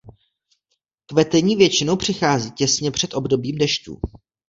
Kvetení většinou přichází těsně před obdobím dešťů.